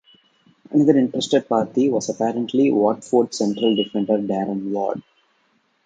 Another interested party was apparently Watford central defender Darren Ward.